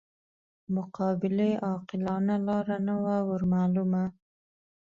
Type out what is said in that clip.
مقابلې عاقلانه لاره نه وه ورمعلومه.